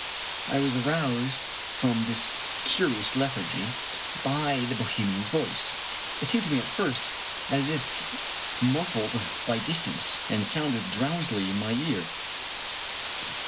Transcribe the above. I was aroused from this curious lethargy by the Bohe mian's voice. It seemed to me at first as if mufHed by distance, and sounded drowsily in my ear.